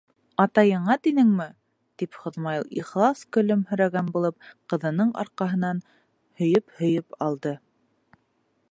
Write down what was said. Атайыңа тинеме? -тип Йомаҙил ихлас көлөмһөрәгән булып, ҡыҙының арҡаһынан һөйөп-һөйөп алды.